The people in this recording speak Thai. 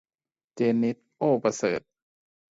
เจนนิษฐ์ โอ่ประเสริฐ